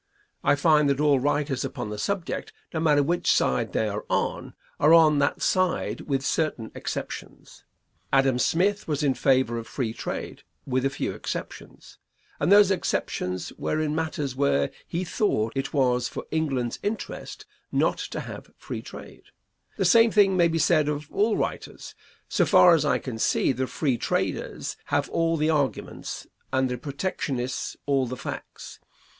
I find that all writers upon the subject, no matter which side they are on, are on that side with certain exceptions. Adam Smith was in favor of free trade, with a few exceptions, and those exceptions were in matters where he thought it was for England's interest not to have free trade. The same may be said of all writers. So far as I can see, the free traders have all the arguments and the protectionists all the facts.